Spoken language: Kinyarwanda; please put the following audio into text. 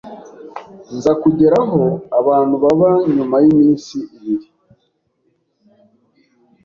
nza kugera aho abantu baba nyuma y’iminsi ibiri